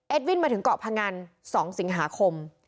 เอ็ดวินมาถึงเกาะพงันสองสิงหาคม